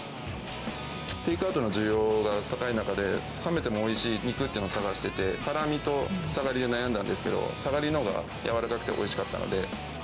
テイクアウトの需要が高い中で、冷めてもおいしい肉っていうのを探していて、ハラミとサガリで悩んだんですけど、サガリのほうがやわらかくておいしかったので。